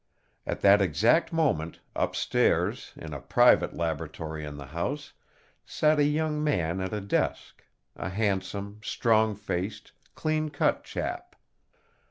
At that exact moment, up stairs, in a private laboratory in the house, sat a young man at a desk a handsome, strong faced, clean cut chap.